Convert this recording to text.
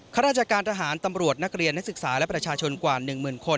ข้าราชการทหารตำรวจนักเรียนนักศึกษาและประชาชนกว่า๑หมื่นคน